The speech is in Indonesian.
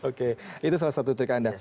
oke itu salah satu trik anda